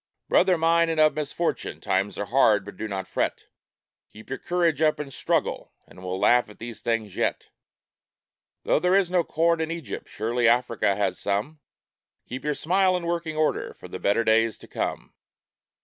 Brother mine, and of misfortune ! times are hard, but do not fret, Keep your courage up and struggle, and we'll laugh at these things yet. Though there is no corn in Egypt, surely Africa has some Keep your smile in working order for the better days to come